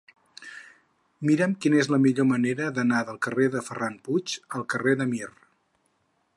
Mira'm quina és la millor manera d'anar del carrer de Ferran Puig al carrer de Mir.